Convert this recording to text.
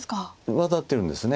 ワタってるんです。